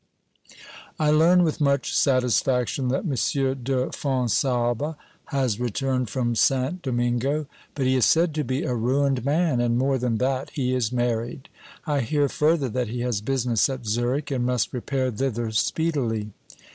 I learn with much satisfaction that M. de Fonsalbe has returned from St. Domingo ; but he is said to be a ruined man, and more than that, he is married. I hear, further, that he has business at Zurich, and must repair thither speedily.